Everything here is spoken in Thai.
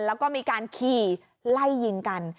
แล้วก็มีการขี่ไล่ยิงกัน